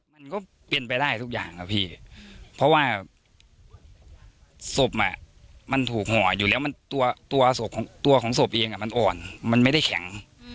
มันก็เป็นไปได้ทุกอย่างครับพี่เพราะว่าศพมันถูกห่ออยู่แล้วตัวของศพเองมันอ่อนมันไม่ได้แข็ง